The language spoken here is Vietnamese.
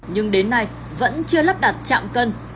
như ai điện trước hợp đồng cân là cân